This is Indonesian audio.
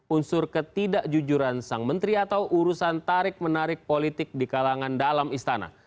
unsur ketidakjujuran sang menteri atau urusan tarik menarik politik di kalangan dalam istana